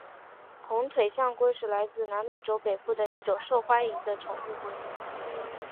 红腿象龟是来自南美洲北部的一种受欢迎的宠物龟。